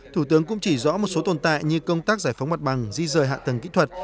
thủ tướng cũng chỉ rõ một số tồn tại như công tác giải phóng mặt bằng di rời hạ tầng kỹ thuật